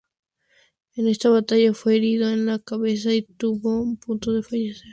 En esta batalla fue herido en la cabeza y estuvo a punto de fallecer.